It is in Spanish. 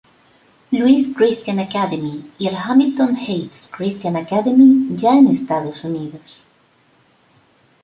Louis Christian Academy y el Hamilton Heights Christian Academy ya en Estados Unidos.